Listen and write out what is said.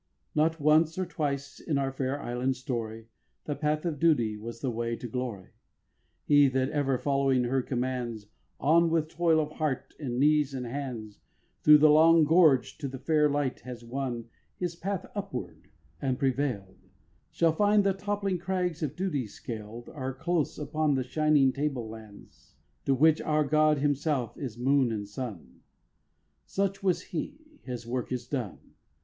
Not once or twice in our fair island story, The path of duty was the way to glory: He, that ever following her commands, On with toil of heart and knees and hands, Thro' the long gorge to the far light has won His path upward, and prevail'd, Shall find the toppling crags of Duty scaled Are close upon the shining table lands To which our God Himself is moon and sun. Such was he: his work is done.